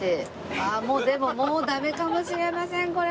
ああもうでももうダメかもしれませんこれは。